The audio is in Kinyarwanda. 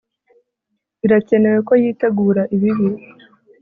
Birakenewe ko yitegura ibibi